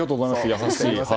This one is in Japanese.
優しい。